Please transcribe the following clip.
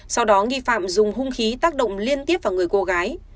sau đó nghi phạm dùng hung khí tác động liên tiếp vào người cô gái